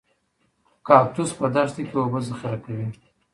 کاکتوس په دښته کې اوبه ذخیره کوي